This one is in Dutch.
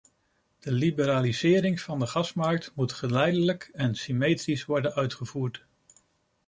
De liberalisering van de gasmarkt moet geleidelijk en symmetrisch worden uitgevoerd.